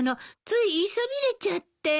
つい言いそびれちゃって。